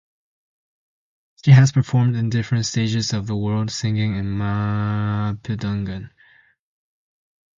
She has performed in different stages of the world singing in Mapudungun.